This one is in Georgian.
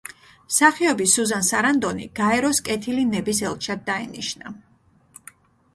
მსახიობი სუზან სარანდონი გაეროს კეთილი ნების ელჩად დაინიშნა.